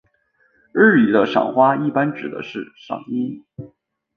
日语的赏花一般指的是赏樱。